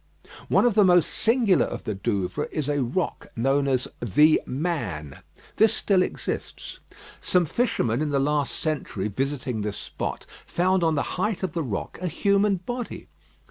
One of the most singular of the Douvres is a rock known as "The Man." This still exists. Some fisherman in the last century visiting this spot found on the height of the rock a human body.